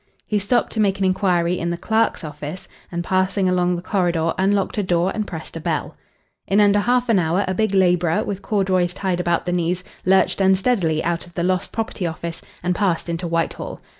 He stopped to make an inquiry in the clerk's office, and passing along the corridor unlocked a door and pressed a bell. In under half an hour a big labourer, with corduroys tied about the knees, lurched unsteadily out of the Lost Property Office and passed into Whitehall.